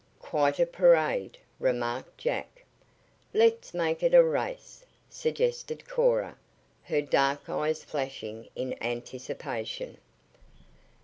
"Quite a parade," remarked Jack. "Let's make it a race," suggested Cora, her dark eyes flashing in anticipation.